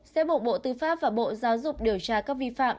sẽ buộc bộ tư pháp và bộ giáo dục điều tra các vi phạm